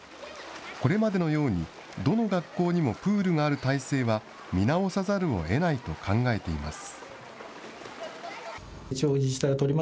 これまでのようにどの学校にもプールがある体制は見直さざるをえないと考えています。